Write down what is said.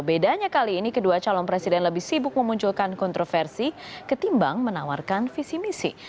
bedanya kali ini kedua calon presiden lebih sibuk memunculkan kontroversi ketimbang menawarkan visi misi